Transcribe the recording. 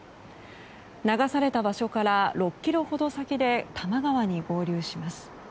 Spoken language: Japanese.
流された場所から６ｋｍほど先で多摩川に合流します。